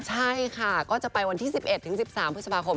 ใช่ค่ะก็จะไปวันที่๑๑ถึง๑๓พฤษภาคม